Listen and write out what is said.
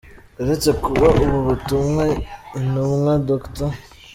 Uretse kuba ubu butumwa Intumwa Dr.